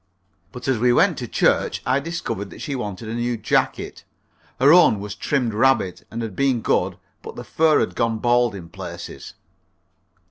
But as we went to church I discovered that she wanted a new jacket. Her own was trimmed rabbit, and had been good, but the fur had gone bald in places.